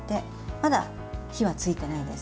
まだ火はついていないです。